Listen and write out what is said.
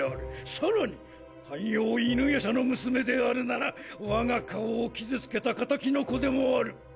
さらに半妖犬夜叉の娘であるなら我が顔を傷つけた仇の子でもある。